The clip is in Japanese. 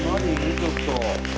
ちょっと。